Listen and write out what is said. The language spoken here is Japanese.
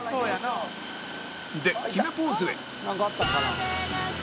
で決めポーズへ